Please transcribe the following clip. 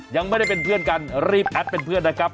ยังไม่ได้เป็นเพื่อนกันรีบแอดเป็นเพื่อนนะครับ